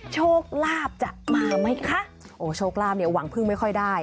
โชคลาภจะมาไหมคะโอ้โชคลาภเนี่ยหวังพึ่งไม่ค่อยได้